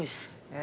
え？